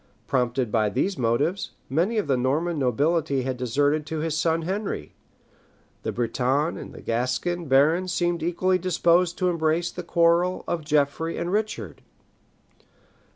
Prompted by these motives, many of the Norman nobility had deserted to his son Henry; the Breton and Gascon barons seemed equally disposed to embrace the quarrel of Geoffrey and Richard.